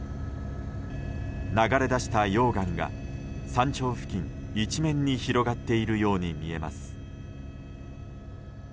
流れ出した溶岩が山頂付近一面に広がっているように見えます。